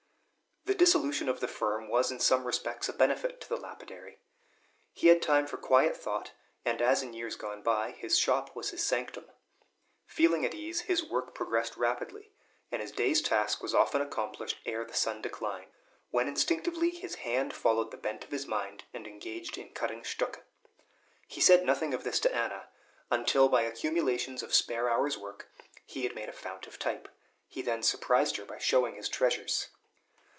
The dissolution of the firm was in some respects a benefit to the lapidary. He had time for quiet thought, and, as in years gone by, his shop was his sanctum. Feeling at ease, his work progressed rapidly, and his day's task was often accomplished ere the sun declined, when instinctively his hand followed the bent of his mind, and engaged in cutting stucke. He said nothing of this to Anna, until, by accumulations of spare hours' work, he had made a fount of type. He then surprised her by showing his treasures.